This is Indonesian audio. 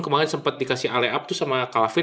kemarin sempet dikasih alay up tuh sama calvin